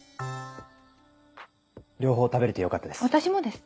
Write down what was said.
両方食べれてよかったです。